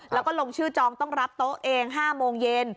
แล้วก็ลงชื่อจองต้องรับโต๊ะเอง๕โมงเย็น